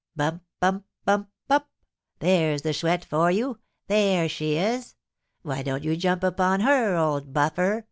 "Bump, bump, bump, bump! There's the Chouette for you there she is! Why don't you jump upon her, old buffer?"